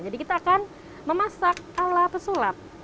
jadi kita akan memasak alat pesulap